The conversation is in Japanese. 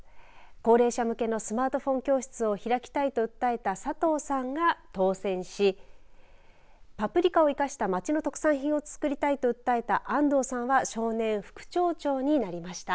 高齢者向けのスマートフォン教室を開きたいと訴えた佐藤さんが当選しパプリカを生かした町の特産品を作りたいと訴えた安藤さんは少年副町長になりました。